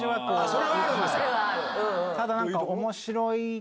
それはあるんですか。